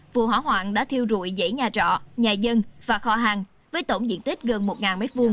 vụ hỏa hoạn đã thiêu rụi dãy nhà trọ nhà dân và kho hàng với tổng diện tích gần một m hai